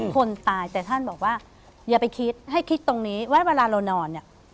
คนตายแต่ท่านบอกว่าอย่าไปคิดให้คิดตรงนี้ว่าเวลาเรานอนเนี่ย